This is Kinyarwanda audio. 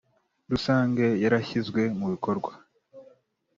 Rusange yarashyizwe mubikorwa